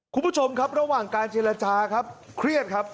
คุณผู้ชมครับระหว่างการเจรจาครับเครียดครับ